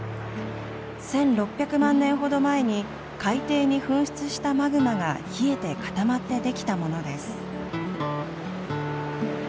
１，６００万年ほど前に海底に噴出したマグマが冷えて固まってできたものです。